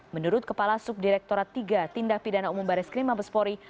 menurut kepala subdirektorat tiga tindak pidana umum baris krim mabespori